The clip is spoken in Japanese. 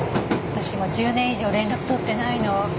私も１０年以上連絡取ってないの。